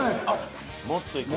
もっといく。